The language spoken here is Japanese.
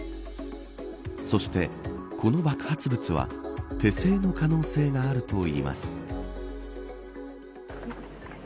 そしてこの爆発物は手製の可能性があるといいます。